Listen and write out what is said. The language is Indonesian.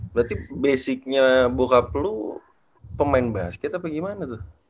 berarti basicnya bokap lo pemain basket apa gimana tuh